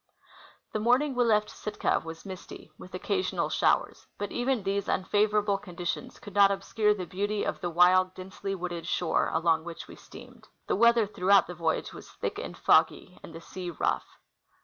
The morning we left Sitka was misty, with occasional showers ; but even these unfavorable conditions could not obscure the beauty of the wild, densely wooded shore along which we steamed. The weather throughout the voyage was thick and foggy and the sea rough.